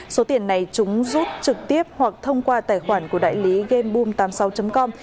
số tiền này chúng rút trực tiếp hoặc thông qua tài khoản của đại lý game bum tám mươi sáu com